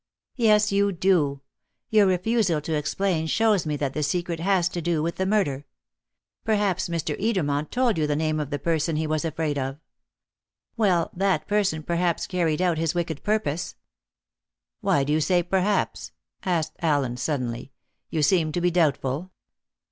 "Yes, you do. Your refusal to explain shows me that the secret has to do with the murder. Perhaps Mr. Edermont told you the name of the person he was afraid of. Well, that person perhaps carried out his wicked purpose." "Why do you say 'perhaps'?" asked Allen suddenly. "You seem to be doubtful."